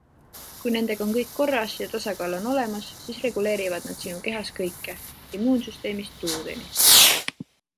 Kui nendega on kõik korras ja tasakaal on olemas, siis reguleerivad nad sinu kehas kõike - immuunsüsteemist tujudeni.